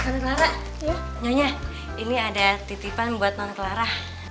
nanti clara nyonya ini ada titipan buat nanti clara